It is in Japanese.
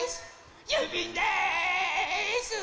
ゆうびんです。